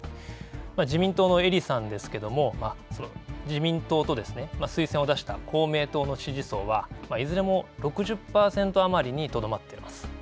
自民党の英利さんですけれども自民党と、推薦を出した公明党の支持層は、いずれも６０％余りにとどまっています。